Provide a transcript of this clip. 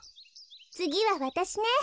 つぎはわたしね。